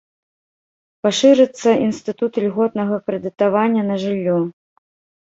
Пашырыцца інстытут льготнага крэдытавання на жыллё.